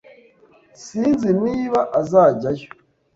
Sinzi niba azajyayo